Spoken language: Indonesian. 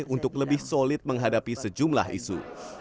untuk lebih solid menghadapi sejumlah isu